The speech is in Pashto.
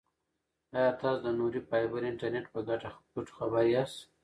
ایا تاسو د نوري فایبر انټرنیټ په ګټو خبر یاست؟